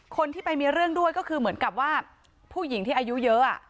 คนที่ไปมีเรื่องด้วยก็คือเหมือนกับว่าผู้หญิงที่อายุเยอะ